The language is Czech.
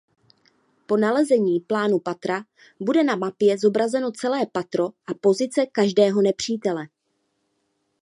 Po nalezení plánu patra bude na mapě zobrazeno celé patro a pozice každého nepřítele.